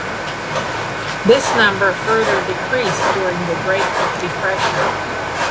This number further decreased during the Great Depression.